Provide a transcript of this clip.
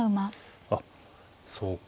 あっそうか